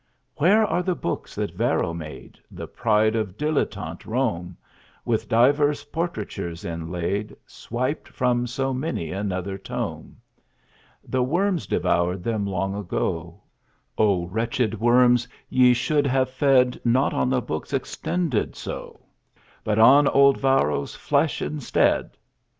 Where are the books that Varro made The pride of dilettante Rome With divers portraitures inlaid Swiped from so many another tome? The worms devoured them long ago O wretched worms! ye should have fed Not on the books "extended" so, But on old Varro's flesh instead!